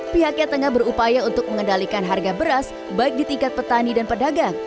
pihaknya tengah berupaya untuk mengendalikan harga beras baik di tingkat petani dan pedagang